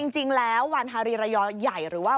จริงแล้ววันฮารีรายอใหญ่หรือว่า